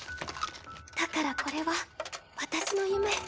だからこれは私の夢。